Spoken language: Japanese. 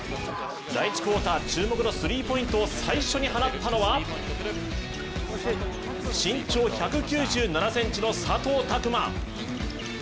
第１クオーター、注目のスリーポイントを最初に放ったのは身長１９７ｃｍの佐藤卓磨。